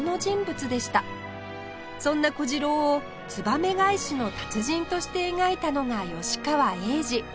そんな小次郎をつばめ返しの達人として描いたのが吉川英治